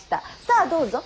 さあどうぞ。